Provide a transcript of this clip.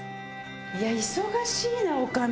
いや忙しいな女将。